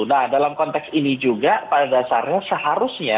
nah dalam konteks ini juga pada dasarnya seharusnya